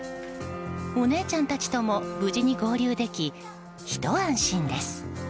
お姉ちゃんたちとも無事に合流でき、ひと安心です。